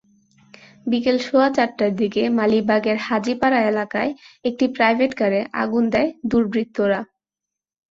বিকেল সোয়া চারটার দিকে মালিবাগের হাজিপাড়া এলাকায় একটি প্রাইভেটকারে আগুন দেয় দুর্বৃত্তরা।